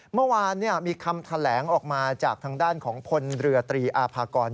เมื่อวานมีคำแถลงออกมาจากทางด้านของพลเรือตรีอาภากร